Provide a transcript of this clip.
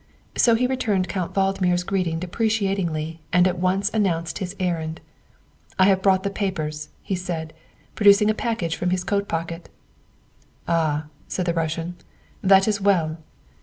So he returned Count Valdmir's greeting depre catingly and at once announced his errand. " I have brought the papers," he said, producing a package from his coat pocket. "Ah," said the Russian, " that is well."